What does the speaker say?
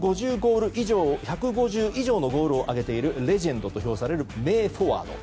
通算１５０以上のゴールを挙げているレジェンドと評される名フォワード。